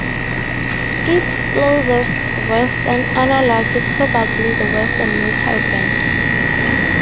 Its closest Western analogue is probably the Western military band.